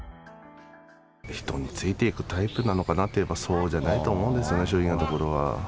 人についていくタイプなのかなっていえば、そうじゃないと思うんですよね、正直なところは。